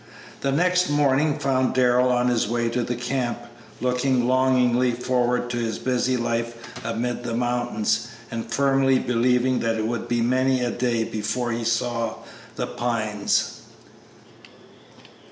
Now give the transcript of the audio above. The next morning found Darrell on his way to the camp, looking longingly forward to his busy life amid the mountains, and firmly believing that it would be many a day before he again saw The Pines.